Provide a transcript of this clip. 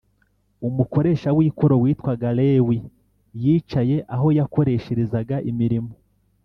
Umukoresha w’ikoro witwaga Lewi yicaye aho yakoresherezaga imirimo